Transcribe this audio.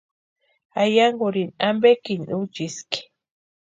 Ayankurini ampekini úchiski.